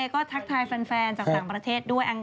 ก็ทักทายแฟนจากต่างประเทศด้วย